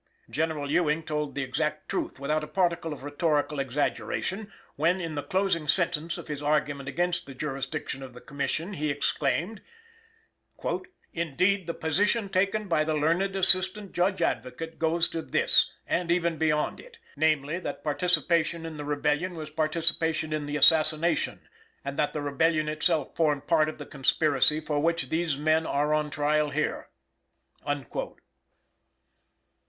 General Ewing told the exact truth, without a particle of rhetorical exaggeration, when, in the closing sentence of his argument against the jurisdiction of the Commission, he exclaimed: "Indeed, the position taken by the learned Assistant Judge Advocate goes to this and even beyond it namely, that participation in the Rebellion was participation in the assassination, and that the Rebellion itself formed part of the conspiracy for which these men are on trial here."